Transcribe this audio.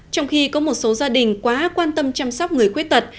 trong khi có một số gia đình quá quan tâm chăm sóc người khuyết tật